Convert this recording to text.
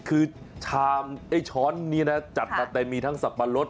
คือชามไอ้ช้อนนี้นะจัดมาเต็มมีทั้งสับปะรด